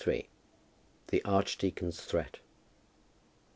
THE ARCHDEACON'S THREAT.